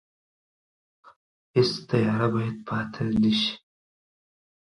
هیڅ تیاره باید پاتې نه شي.